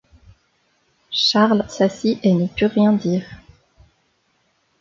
Charles s’assit et ne put rien dire.